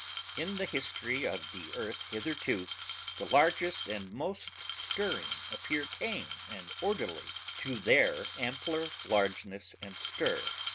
In the history of the earth hitherto the largest and most stirring appear tame and orderly to their ampler largeness and stir.